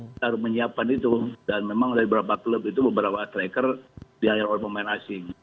kita harus menyiapkan itu dan memang dari beberapa klub itu beberapa striker di hire oleh pemain asing